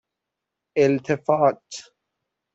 اِلتفات